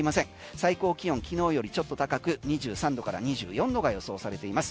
最高気温、昨日よりちょっと高く２３度から２４度が予想されています。